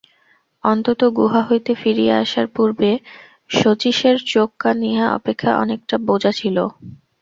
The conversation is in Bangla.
অন্তত গুহা হইতে ফিরিয়া আসার পূর্বে শচীশের চোখ-কান ইহা অপেক্ষা অনেকটা বোজা ছিল।